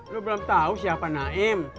lo belum tahu siapa naim